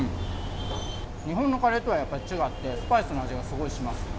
日本のカレーとはやっぱり違って、スパイスの味がすごいします。